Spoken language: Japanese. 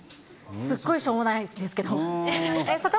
すっごいしょうもないですけども。